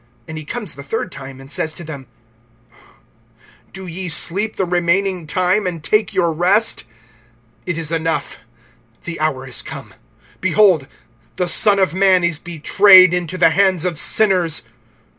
(41)And he comes the third time, and says to them: Do ye sleep the remaining time, and take your rest[14:41]? It is enough, the hour is come; behold, the Son of man is betrayed into the hands of sinners.